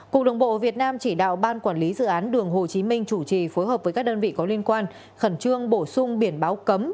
cục đường bộ việt nam chỉ đạo ban quản lý dự án đường hồ chí minh chủ trì phối hợp với các đơn vị có liên quan khẩn trương bổ sung biển báo cấm